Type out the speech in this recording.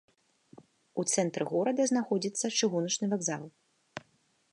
У цэнтры горада знаходзіцца чыгуначны вакзал.